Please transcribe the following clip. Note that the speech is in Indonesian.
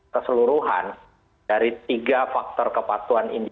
keseluruhan dari tiga faktor kepatuhan ini